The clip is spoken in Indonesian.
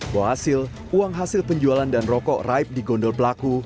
bahwa hasil uang hasil penjualan dan rokok raib di gondol pelaku